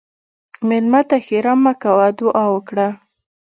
مېلمه ته ښیرا مه کوه، دعا وکړه.